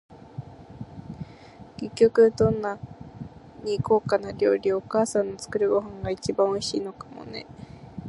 結局、どんなに高価な料理より、お母さんの作るご飯が一番おいしいのかもね。